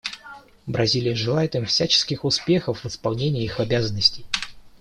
Бразилия желает им всяческих успехов в исполнении их обязанностей.